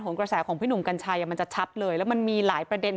กระแสของพี่หนุ่มกัญชัยมันจะชัดเลยแล้วมันมีหลายประเด็น